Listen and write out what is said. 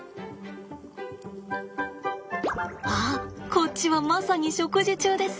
こっちはまさに食事中です。